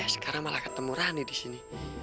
sekarang malah ketemu rani di sini